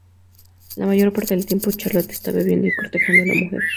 La mayor parte del tiempo Charlot está bebiendo y cortejando a la mujer.